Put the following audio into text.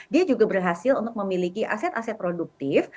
dia juga berhasil untuk memiliki aset aset produktif